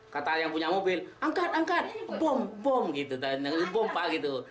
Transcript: kata yang punya mobil angkat angkat bom bom gitu